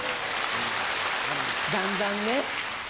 だんだんね。